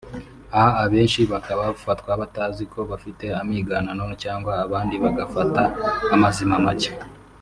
aha akenshi bakaba bafatwa batanazi ko bafite amiganano cyangwa abandi bagafata amazima make